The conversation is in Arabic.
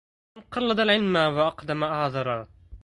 من قلد العلما واقدم أعذرا